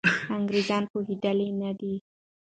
انګریزان پوهېدلي نه دي.